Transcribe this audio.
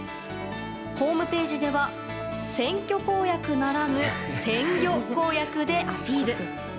ホームページでは選挙公約ならぬ鮮魚公約でアピール。